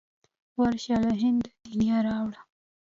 ورشه له هنده د نیا را وړه.